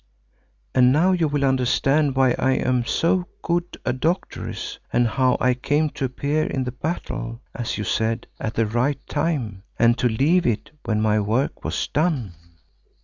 And now you will understand why I am so good a doctoress and how I came to appear in the battle, as you said, at the right time, and to leave it when my work was done."